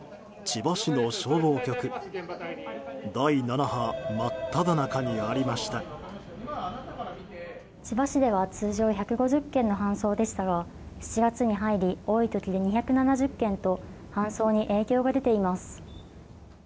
千葉市では通常１５０件の搬送でしたが７月に入り多い時で２７０件と搬送に影響が出ています。